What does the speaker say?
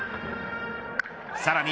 さらに